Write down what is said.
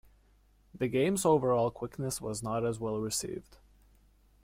The game's overall quickness was not as well received.